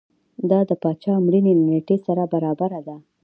دا د پاچا مړینې له نېټې سره برابره ده.